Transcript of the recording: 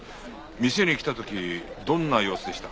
店に来た時どんな様子でした？